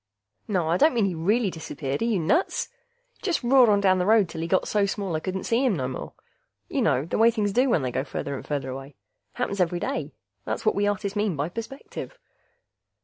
Naw, I don't mean he really disappeared are you nuts? Just roared on down the road till he got so small I couldn't see him no more. You know the way things do when they go farther and farther away. Happens every day; that's what us artists mean by perspective.